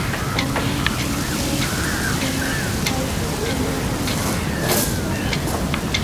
Kanan puntraw yanapaykallamay.